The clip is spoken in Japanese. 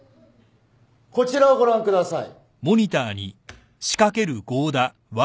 こちらをご覧ください。